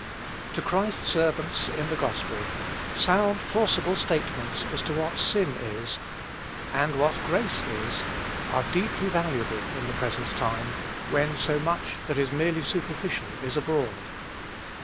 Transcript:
To Christ's servants in the gospel sound, forcible statements as to what sin is and what grace is, are deeply valuable in the present time, when so much that is merely superficial is abroad.